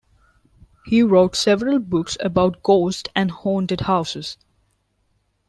He wrote several books about ghosts and haunted houses.